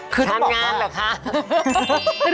คือต้องบอกว่าทำงานเหรอคะ